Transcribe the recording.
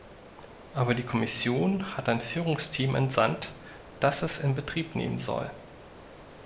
Aber die Kommission hat ein Führungsteam entsandt, das es in Betrieb nehmen soll.